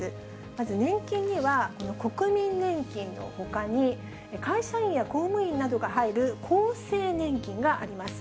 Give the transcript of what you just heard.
まず、年金には国民年金のほかに、会社員や公務員などが入る厚生年金があります。